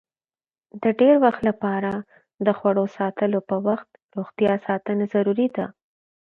د ډېر وخت لپاره د خوړو ساتلو په وخت روغتیا ساتنه ضروري ده.